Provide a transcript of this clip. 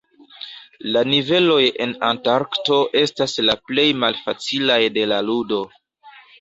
La niveloj en Antarkto estas la plej malfacilaj de la ludo.